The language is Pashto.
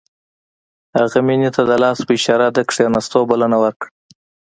هغه مينې ته د لاس په اشاره د کښېناستو بلنه ورکړه.